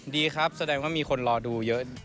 ดีครับแสดงว่ามีคนรอดูเยอะ